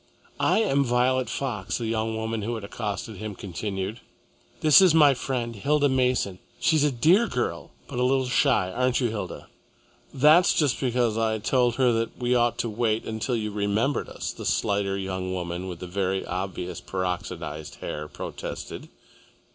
"I am Violet Fox," the young woman who had accosted him continued. "This my friend, Hilda Mason. She's a dear girl but a little shy, aren't you, Hilda?" "That's just because I told her that we ought to wait until you remembered us," the slighter young woman, with the very obvious peroxidised hair, protested.